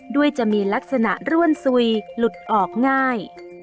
ด้วยจะมีลักษณะร่วนสุยหลุดออกง่าย